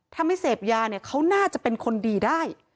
ทำให้เสพยานั้นเขาน่าจะเป็นคนดีได้